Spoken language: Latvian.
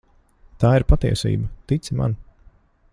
Tā ir patiesība, tici man.